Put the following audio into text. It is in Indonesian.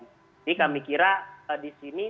jadi kami kira di sini